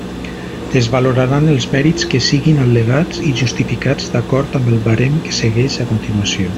Es valoraran els mèrits que siguin al·legats i justificats d'acord amb el barem que segueix a continuació.